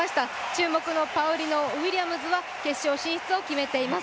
注目のパウリナ、ウィリアムズは決勝進出を決めています。